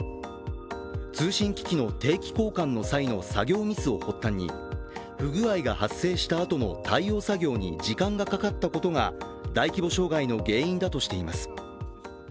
通信機器の定期交換の際の作業ミスを発端に不具合が発生したあとの対応作業に時間がかかったことが大規模障害の原因だとしています。